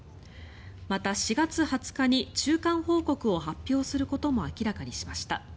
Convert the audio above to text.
また４月２０日に中間報告を発表することも明らかにしました。